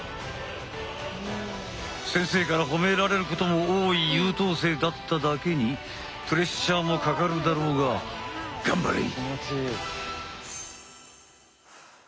先生から褒められることも多い優等生だっただけにプレッシャーもかかるだろうが頑張れ！